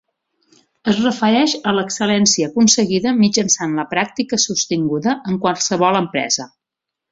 Es refereix a l'excel·lència aconseguida mitjançant la pràctica sostinguda en qualsevol empresa.